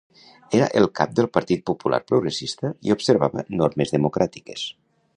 Era el cap del Partit Popular Progressista i observava normes democràtiques.